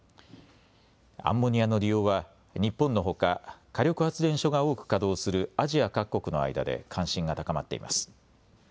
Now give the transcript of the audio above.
アンモニアの利用は日本のほか火力発電所が多く稼働するアジア各国の間で関心が高まっています。